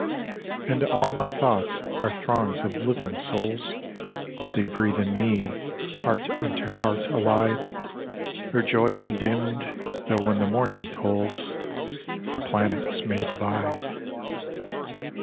And all my thoughts are throngs of living souls ; They breathe in me, heart unto heart allied ; Their joy undimmed, though when the morning tolls The planets may divide.